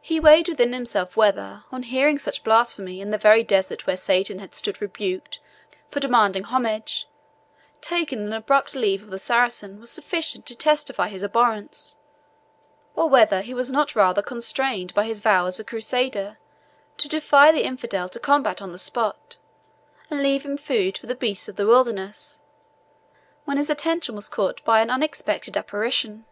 He weighed within himself whether, on hearing such blasphemy in the very desert where Satan had stood rebuked for demanding homage, taking an abrupt leave of the Saracen was sufficient to testify his abhorrence; or whether he was not rather constrained by his vow as a Crusader to defy the infidel to combat on the spot, and leave him food for the beasts of the wilderness, when his attention was suddenly caught by an unexpected apparition.